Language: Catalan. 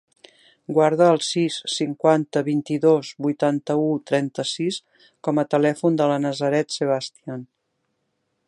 Guarda el sis, cinquanta, vint-i-dos, vuitanta-u, trenta-sis com a telèfon de la Nazaret Sebastian.